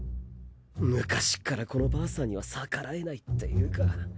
昔っからこのばあさんには逆らえないっていうか。